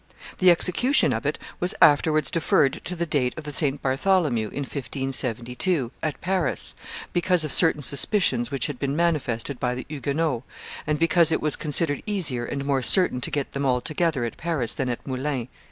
The execution of it was afterwards deferred to the date of the St. Bartholomew, in 1572, at Paris, because of certain suspicions which had been manifested by the Huguenots, and because it was considered easier and more certain to get them all together at Paris than at Moulins."